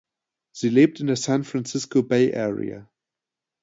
Sie lebt in der San Francisco Bay Area.